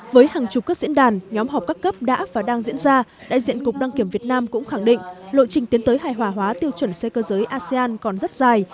với hàng chục các diễn đàn nhóm họp các cấp đã và đang diễn ra đại diện cục đăng kiểm việt nam cũng khẳng định lộ trình tiến tới hài hòa hóa tiêu chuẩn xe cơ giới asean còn rất dài